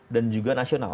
dan juga nasional